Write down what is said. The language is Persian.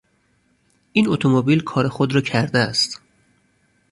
این اتومبیل کار خود را کرده است.